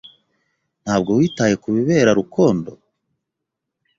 Ntabwo witaye kubibera Rukondo?